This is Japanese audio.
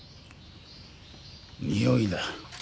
においだ。